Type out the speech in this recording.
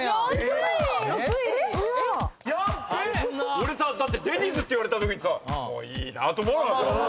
俺さだって「デニーズ」って言われたときにさいいなと思わなかった